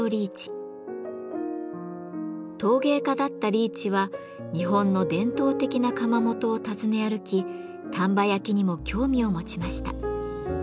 陶芸家だったリーチは日本の伝統的な窯元を訪ね歩き丹波焼にも興味を持ちました。